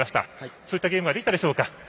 そういったゲームはできたでしょうか。